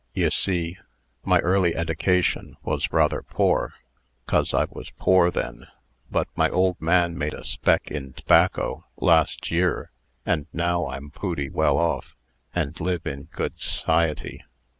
"Ye see, my early eddication was rather poor, 'cos I was poor then; but my old man made a spec' in tobacco, last year, and now I'm pooty well off, and live in good s'ciety.